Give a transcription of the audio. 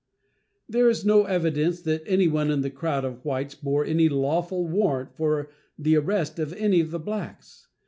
There is no evidence that anyone in the crowd of whites bore any lawful warrant for the arrest of any of the blacks.